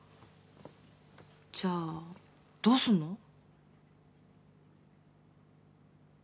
じゃあどうすんの？